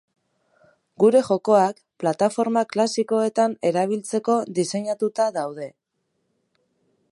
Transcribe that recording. Gure jokoak plataforma klasikoetan erabiltzeko diseinatuta daude.